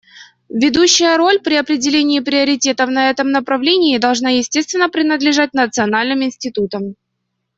Ведущая роль при определении приоритетов на этом направлении должна, естественно, принадлежать национальным институтам.